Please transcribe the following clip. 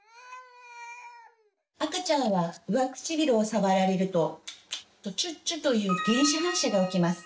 赤ちゃんは上唇を触られるとチュッチュという「原始反射」が起きます。